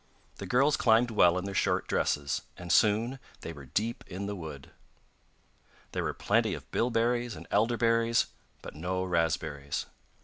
The girls climbed well in their short dresses, and soon they were deep in the wood. There were plenty of bilberries and elder berries, but no raspberries.